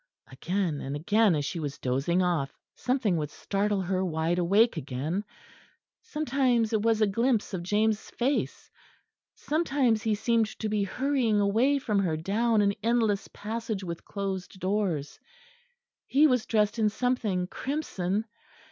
Again and again as she was dozing off, something would startle her wide awake again: sometimes it was a glimpse of James' face; sometimes he seemed to be hurrying away from her down an endless passage with closed doors; he was dressed in something crimson.